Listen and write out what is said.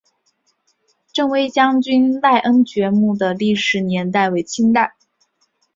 振威将军赖恩爵墓的历史年代为清代。